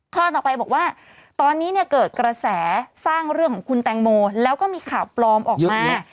ต่อไปบอกว่าตอนนี้เนี่ยเกิดกระแสสร้างเรื่องของคุณแตงโมแล้วก็มีข่าวปลอมออกมา